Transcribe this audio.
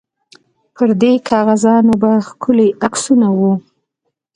پر دې کاغذانو به ښکلي عکسونه وو.